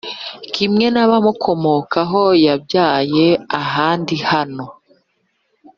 Kimwe n abamukomokaho yabyaye ahandi naho